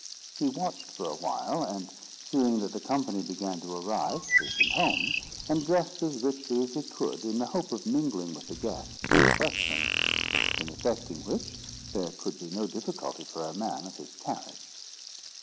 He watched for a while, and seeing that company began to arrive, hastened home, and dressed as richly as he could, in the hope of mingling with the guests unquestioned: in effecting which, there could be no difficulty for a man of his carriage.